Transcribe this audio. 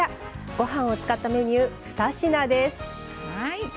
ご飯を使ったメニュー２品です。